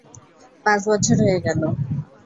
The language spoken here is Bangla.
পাঁচ বছর হয়ে গেল।